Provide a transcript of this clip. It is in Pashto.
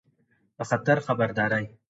د خطر خبرداری